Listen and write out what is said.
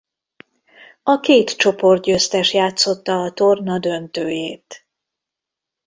A két csoportgyőztes játszotta a torna döntőjét.